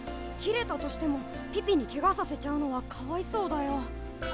切れたとしてもピピにケガさせちゃうのはかわいそうだよ。